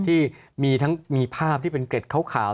ที่มีทั้งมีภาพที่เป็นเกร็ดขาว